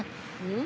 ん？